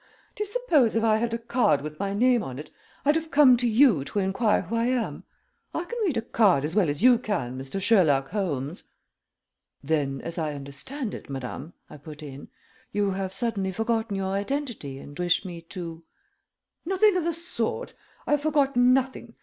Do you suppose if I had a card with my name on it I'd have come to you to inquire who I am? I can read a card as well as you can, Mr. Sherlock Holmes." "Then, as I understand it, madame," I put in, "you have suddenly forgotten your identity and wish me to " "Nothing of the sort. I have forgotten nothing.